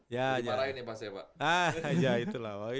diparahin ya pak seva